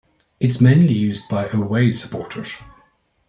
It is mainly used by away supporters.